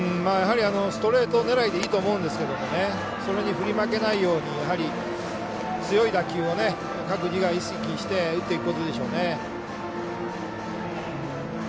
ストレート狙いでいいと思うんですけどそれに振り負けないように強い打球を各自が意識して打っていくことでしょうね。